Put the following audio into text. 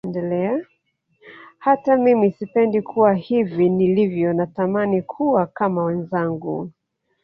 Hata mimi sipendi kuwa hivi nilivyo natamani kuwa kama wenzangu